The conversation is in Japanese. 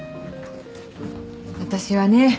私はね